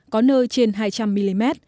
có nơi trên hai trăm linh mm